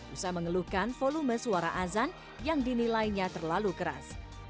usaha mengeluhkan volume suara azan yang dinilainya terlalu keras